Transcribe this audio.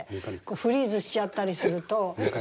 フリーズしちゃったりすると。